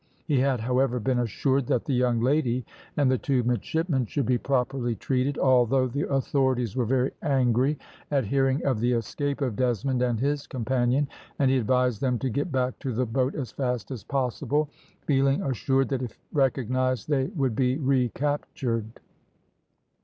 He had, however, been assured that the young lady and the two midshipmen should be properly treated, although the authorities were very angry at hearing of the escape of Desmond and his companion, and he advised them to get back to the boat as fast as possible, feeling assured that if recognised they would be recaptured.